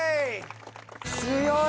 強い。